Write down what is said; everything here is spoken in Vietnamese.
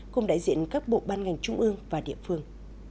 cùng đại diện các bộ ban ngành trung ương và địa phương